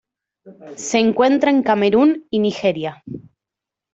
Se encuentra en Camerún y Nigeria.